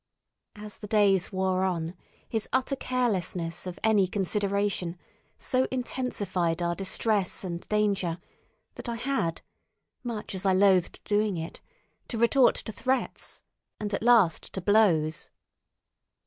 As the days wore on, his utter carelessness of any consideration so intensified our distress and danger that I had, much as I loathed doing it, to resort to threats, and at last to blows.